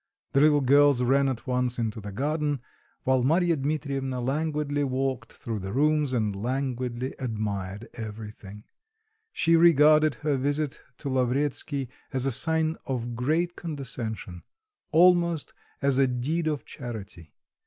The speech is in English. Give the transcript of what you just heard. The little girls ran at once into the garden, while Marya Dmitrievna languidly walked through the rooms and languidly admired everything. She regarded her visit to Lavretsky as a sign of great condescension, almost as a deed of charity.